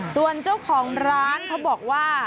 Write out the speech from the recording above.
ส่วนเจ้าของร้านเขาบอกว่า